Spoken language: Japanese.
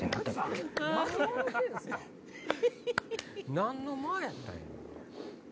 何の間やったんや？